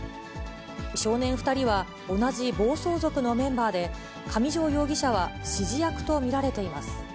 少年２人は、同じ暴走族のメンバーで、上条容疑者は指示役と見られています。